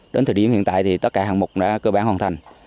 đến thời điểm hiện tại thì tất cả hạng mục đã cơ bản hoàn thành